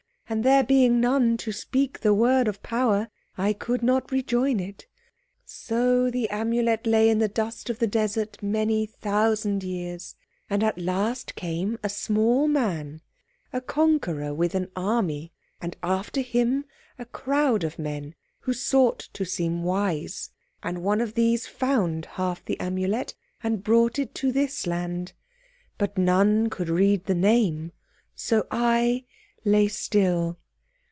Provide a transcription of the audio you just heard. And there being none to speak the word of power, I could not rejoin it. So the Amulet lay in the dust of the desert many thousand years, and at last came a small man, a conqueror with an army, and after him a crowd of men who sought to seem wise, and one of these found half the Amulet and brought it to this land. But none could read the name. So I lay still.